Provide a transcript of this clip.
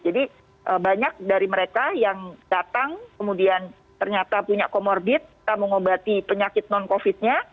jadi banyak dari mereka yang datang kemudian ternyata punya komorbid kita mengobati penyakit non covid nya